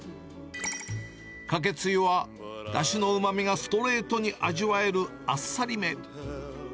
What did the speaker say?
かけつゆはだしのうまみがストレートに味わえるあっさりめ。